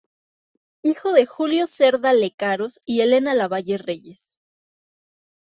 Hijo de Julio Cerda Lecaros y Elena Lavalle Reyes.